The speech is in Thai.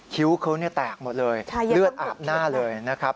คิ้วเขาแตกหมดเลยเลือดอาบหน้าเลยนะครับ